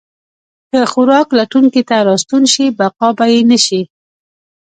که خوراک لټونکي ته راستون شي، بقا به یې نه شي.